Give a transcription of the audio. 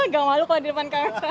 gak malu kalau di depan kamera